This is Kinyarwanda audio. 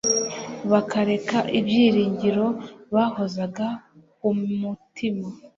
bakareka ibyiringiro bahozaga ku mutima.